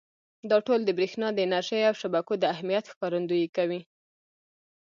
دا ټول د برېښنا د انرژۍ او شبکو د اهمیت ښکارندويي کوي.